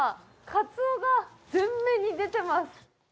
カツオが前面に出てます。